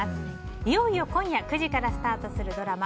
いよいよ今夜９時からスタートするドラマ